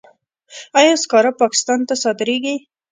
آیا سکاره پاکستان ته صادریږي؟